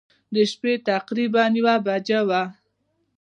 د شپې تقریباً یوه بجه وه.